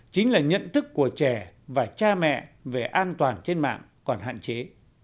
chính là nhận thức của trẻ và cha mẹ về an toàn trên mạng còn hạn chế